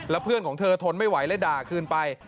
แล้วเพื่อนของเธอทนไม่ไหวเลยด่าคืนไป